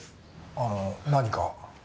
あの何か？